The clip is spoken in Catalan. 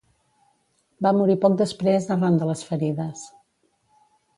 Va morir poc després arran de les ferides.